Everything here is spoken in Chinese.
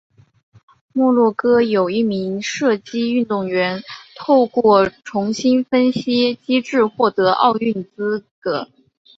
摩洛哥有一名射击运动员透过重新分配机制获得奥运资格。